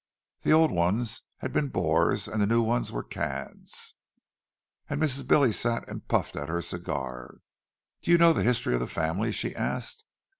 The old ones had been boors, and the new ones were cads. And Mrs. Billy sat and puffed at her cigar. "Do you know the history of the family?" she asked.